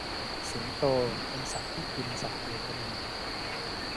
สิงโตเป็นสัตว์ที่กินสัตว์อื่นเป็นอาหาร